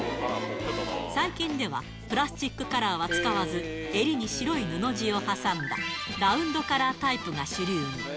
最近では、プラスチックカラーは使わず、襟に白い布地を挟んだラウンドカラータイプが主流に。